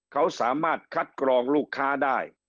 เขาสามารถคัดกรองลูกค้าได้